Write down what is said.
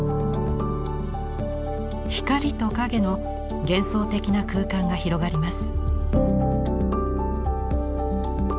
光と影の幻想的な空間が広がります。